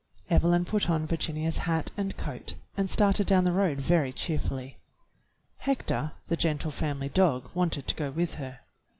Evelyn put on Virginia's hat and coat and started down the road very cheerfully. Hector, the gentle family dog, wanted to go with her.